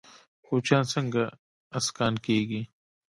کوچیان څنګه اسکان کیږي؟